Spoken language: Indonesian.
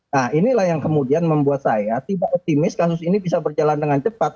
nah inilah yang kemudian membuat saya tidak optimis kasus ini bisa berjalan dengan cepat